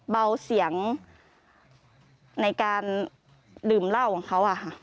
เบาเสียงในการดื่มเหล้าของเขา